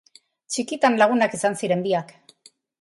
Txikitan lagunak izan ziren biak.